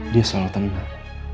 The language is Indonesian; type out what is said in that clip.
dia selalu tenang